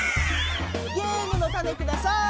ゲームのタネください。